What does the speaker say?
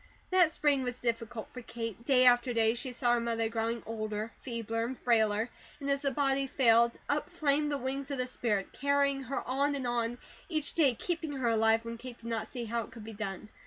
That spring was difficult for Kate. Day after day she saw her mother growing older, feebler, and frailer. And as the body failed, up flamed the wings of the spirit, carrying her on and on, each day keeping her alive, when Kate did not see how it could be done.